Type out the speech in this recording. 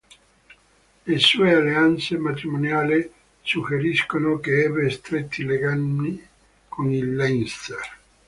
Le sue alleanze matrimoniale suggeriscono che ebbe stretti legami con il Leinster.